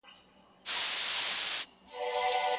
چای ډېر خوږ مه څښئ.